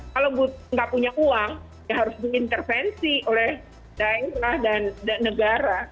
kalau nggak punya uang ya harus diintervensi oleh daerah dan negara